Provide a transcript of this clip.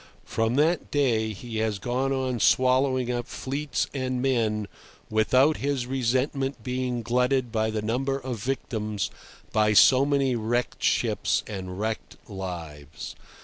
From that day he has gone on swallowing up fleets and men without his resentment being glutted by the number of victims—by so many wrecked ships and wrecked lives.